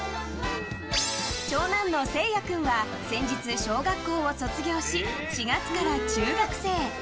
長男の青空君は先日、小学校を卒業し４月から中学生。